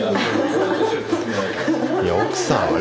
いや奥さんはね